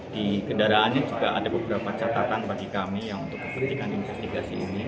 di kendaraannya juga ada beberapa catatan bagi kami yang untuk kepentingan investigasi ini